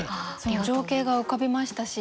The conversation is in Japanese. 情景が浮かびましたし。